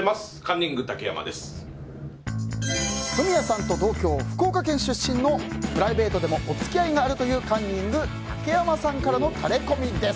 フミヤさんと同郷福岡県出身のプライベートでもお付き合いがあるというカンニング竹山さんからのタレコミです。